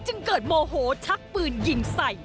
จึงเกิดโมโหชักปืนยิงใส่